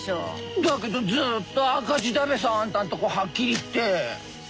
だけどずっと赤字だべさあんたのとこはっきり言って。